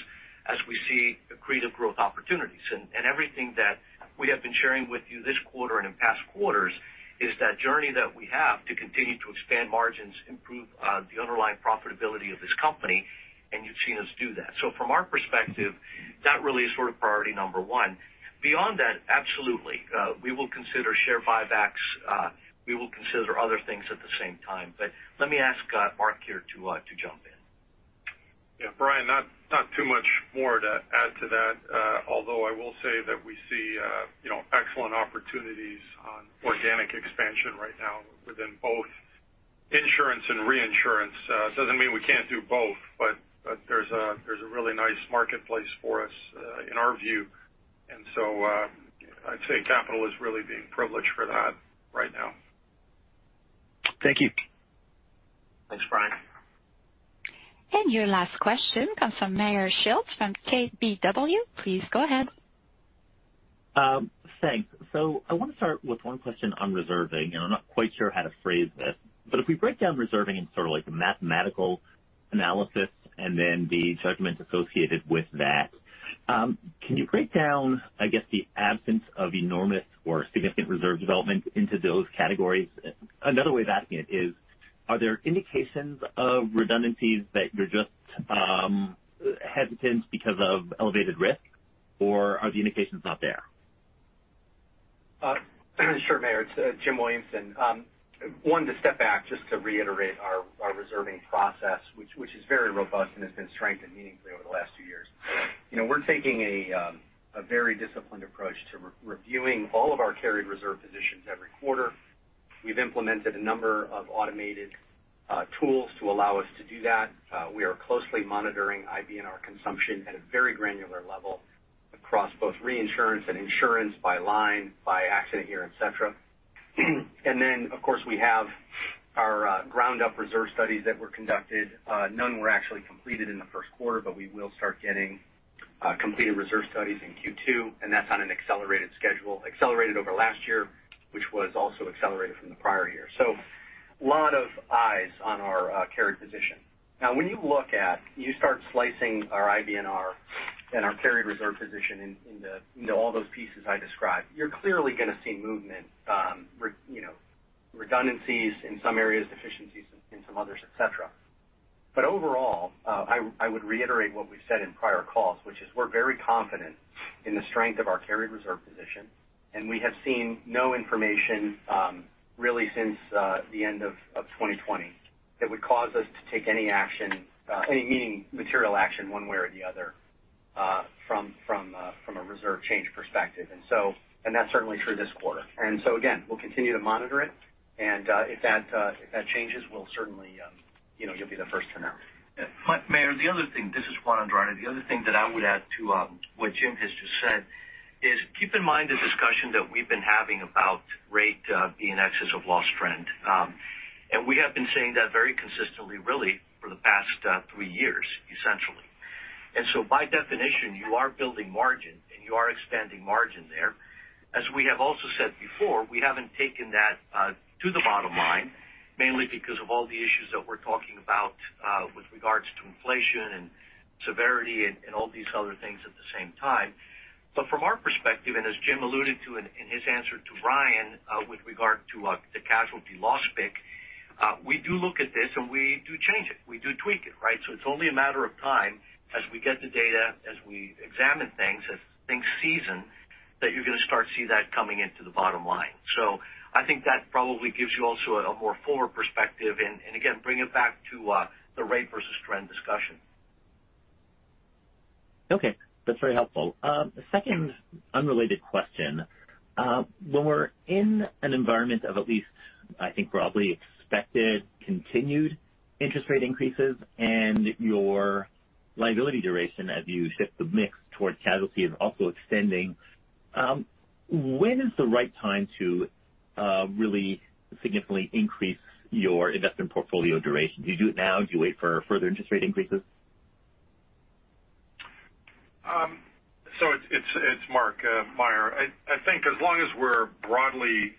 as we see accretive growth opportunities. Everything that we have been sharing with you this quarter and in past quarters is that journey that we have to continue to expand margins, improve the underlying profitability of this company, and you've seen us do that. From our perspective, that really is sort of priority number one. Beyond that, absolutely, we will consider share buybacks, we will consider other things at the same time. Let me ask Mark here to jump in. Yeah. Brian, not too much more to add to that. Although I will say that we see, you know, excellent opportunities on organic expansion right now within both insurance and reinsurance. It doesn't mean we can't do both, but there's a really nice marketplace for us, in our view. I'd say capital is really being privileged for that right now. Thank you. Thanks, Brian. Your last question comes from Meyer Shields from KBW. Please go ahead. Thanks. I want to start with one question on reserving, and I'm not quite sure how to phrase this. If we break down reserving in sort of like the mathematical analysis and then the judgments associated with that, can you break down, I guess, the absence of enormous or significant reserve development into those categories? Another way of asking it is, are there indications of redundancies that you're just hesitant because of elevated risk, or are the indications not there? Sure, Meyer. It's Jim Williamson. Wanted to step back just to reiterate our reserving process, which is very robust and has been strengthened meaningfully over the last two years. You know, we're taking a very disciplined approach to re-reviewing all of our carried reserve positions quarter. We've implemented a number of automated tools to allow us to do that. We are closely monitoring IBNR consumption at a very granular level across both reinsurance and insurance by line, by accident year, et cetera. Then, of course, we have our ground-up reserve studies that were conducted. None were actually completed in the first quarter, but we will start getting completed reserve studies in Q2, and that's on an accelerated schedule. Accelerated over last year, which was also accelerated from the prior year. A lot of eyes on our carried position. When you look at you start slicing our IBNR and our carried reserve position in the you know all those pieces I described, you're clearly gonna see movement you know redundancies in some areas, deficiencies in some others, et cetera. Overall I would reiterate what we've said in prior calls, which is we're very confident in the strength of our carried reserve position, and we have seen no information really since the end of 2020 that would cause us to take any action any meaningful material action one way or the other from a reserve change perspective. That's certainly true this quarter. Again, we'll continue to monitor it, and if that changes, we'll certainly, you know, you'll be the first to know. Yeah. Meyer, the other thing. This is Juan Andrade. The other thing that I would add to what Jim has just said is keep in mind the discussion that we've been having about rates being in excess of loss trend. We have been saying that very consistently really for the past three years, essentially. By definition, you are building margin, and you are expanding margin there. As we have also said before, we haven't taken that to the bottom line, mainly because of all the issues that we're talking about with regards to inflation and severity and all these other things at the same time. From our perspective, and as Jim alluded to in his answer to Ryan with regard to the casualty loss pick, we do look at this, and we do change it. We do tweak it, right? It's only a matter of time as we get the data, as we examine things, as things season, that you're gonna start to see that coming into the bottom line. I think that probably gives you also a more forward perspective and again, bring it back to the rate versus trend discussion. Okay. That's very helpful. Second unrelated question. When we're in an environment of at least, I think, broadly expected continued interest rate increases and your liability duration as you shift the mix towards casualty and also extending, when is the right time to really significantly increase your investment portfolio duration? Do you do it now? Do you wait for further interest rate increases? It's Mark, Meyer. I think as long as we're broadly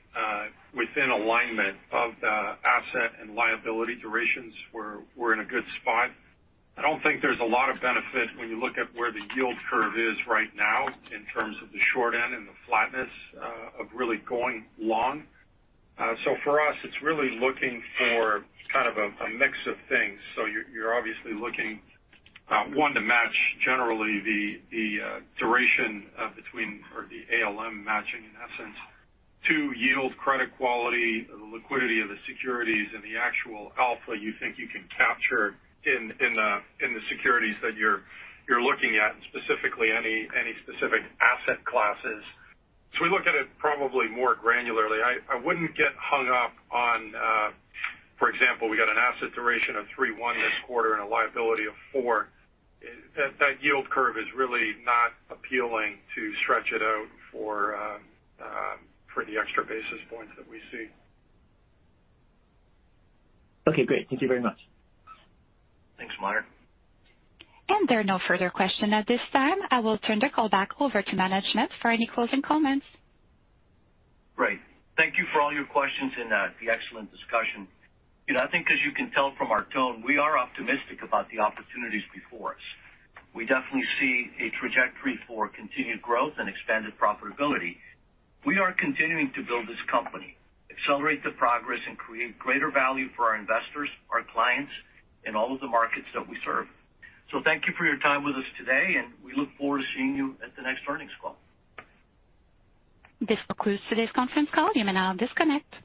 within alignment of the asset and liability durations, we're in a good spot. I don't think there's a lot of benefit when you look at where the yield curve is right now in terms of the short end and the flatness of really going long. For us, it's really looking for kind of a mix of things. You're obviously looking, one, to match generally the duration between or the ALM matching in essence, two, yield, credit quality, the liquidity of the securities and the actual alpha you think you can capture in the securities that you're looking at, and specifically any specific asset classes. We look at it probably more granularly. I wouldn't get hung up on, for example, we got an asset duration of 3.1% this quarter and a liability of 4%. That yield curve is really not appealing to stretch it out for the extra basis points that we see. Okay, great. Thank you very much. Thanks, Meyer. There are no further questions at this time. I will turn the call back over to management for any closing comments. Great. Thank you for all your questions and, the excellent discussion. You know, I think as you can tell from our tone, we are optimistic about the opportunities before us. We definitely see a trajectory for continued growth and expanded profitability. We are continuing to build this company, accelerate the progress and create greater value for our investors, our clients in all of the markets that we serve. Thank you for your time with us today, and we look forward to seeing you at the next earnings call. This concludes today's conference call. You may now disconnect.